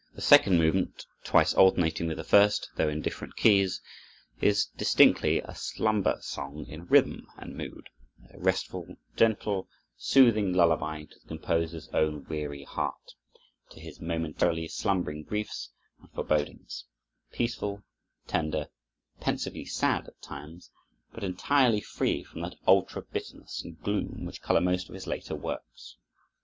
The second movement, twice alternating with the first, though in different keys, is distinctly a slumber song in rhythm and mood, a restful, gentle, soothing lullaby to the composer's own weary heart, to his momentarily slumbering griefs, and forebodings; peaceful, tender, pensively sad at times, but entirely free from that ultra bitterness and gloom which color most of his later works.